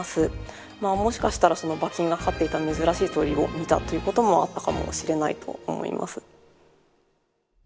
もしかしたらその馬琴が飼っていた珍しい鳥を見たということもあったかもしれないと思います。